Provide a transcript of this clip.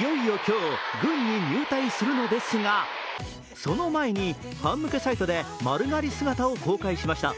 いよいよ今日、軍に入隊するのですが、その前にファン向けサイトで丸刈り姿を公開しました。